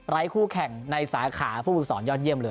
ไร้คู่แข่งในซาขาพ่อครับและค่อยเยี่ยมไปกันนะครับ